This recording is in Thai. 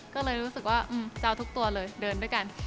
ก็เลยรู้สึกว่าจะเอาทุกตัวเลยเดินด้วยกัน